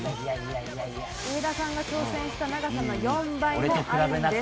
上田さんが挑戦した長さの４倍もあるんです。